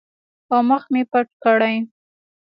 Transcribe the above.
او مخ مې پټ کړي.